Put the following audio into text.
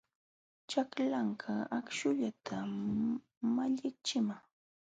Chaklanka akśhullatam malliqchiman.